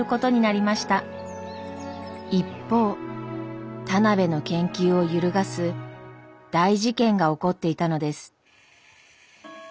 一方田邊の研究を揺るがす大事件が起こっていたのです。